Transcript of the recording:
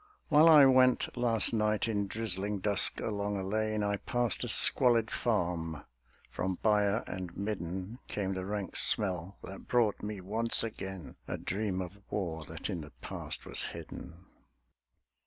While I went Last night in drizzling dusk along a lane, I passed a squalid farm; from byre and midden Came the rank smell that brought me once again A dream of war that in the past was hidden.